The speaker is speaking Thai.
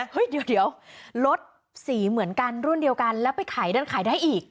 เฮ้ยเดี๋ยวลดสีเหมือนกันรุ่นเดียวกันแล้วไปขายดันขายได้อีก